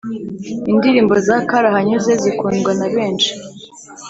Indirimbo za karahanyuze zikundwa na benshi